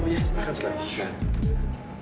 oh iya silahkan silahkan silahkan